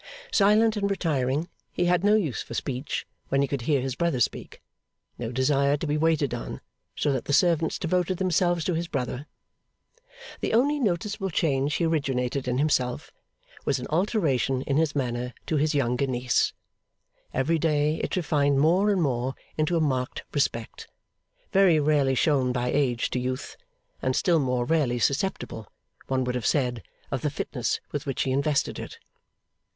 Silent and retiring, he had no use for speech when he could hear his brother speak; no desire to be waited on, so that the servants devoted themselves to his brother. The only noticeable change he originated in himself, was an alteration in his manner to his younger niece. Every day it refined more and more into a marked respect, very rarely shown by age to youth, and still more rarely susceptible, one would have said, of the fitness with which he invested it.